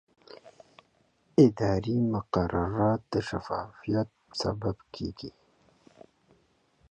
اداري مقررات د شفافیت سبب کېږي.